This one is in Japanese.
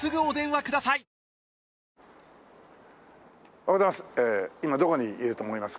おはようございます。